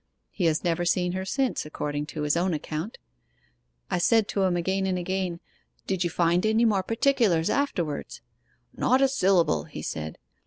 He has never seen her since, according to his own account. I said to him again and again, "Did you find any more particulars afterwards?" "Not a syllable," he said.